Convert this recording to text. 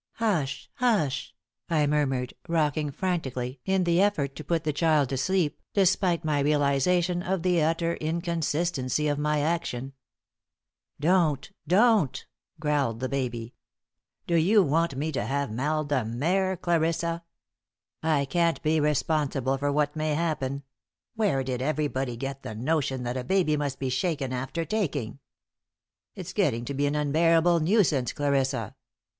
"Hush! hush!" I murmured, rocking frantically in the effort to put the child to sleep, despite my realization of the utter inconsistency of my action. "Don't! don't!" growled the baby. "Do you want me to have mal de mer, Clarissa? I can't be responsible for what may happen. Where did everybody get the notion that a baby must be shaken after taking? It's getting to be an unbearable nuisance, Clarissa."